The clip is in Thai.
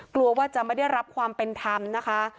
กลัวว่าจะไม่ได้รับความเป็นธรรมนะคะ